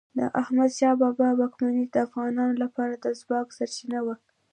د احمد شاه بابا واکمني د افغانانو لپاره د ځواک سرچینه وه.